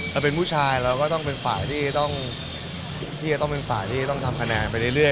เราเป็นผู้ชายเราก็ต้องเป็นฝ่ายที่จะต้องเป็นฝ่ายที่ต้องทำคะแนนไปเรื่อย